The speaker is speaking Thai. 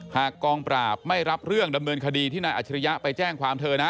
หากกองปราบไม่รับเรื่องดำเนินคดีที่นายอัจฉริยะไปแจ้งความเธอนะ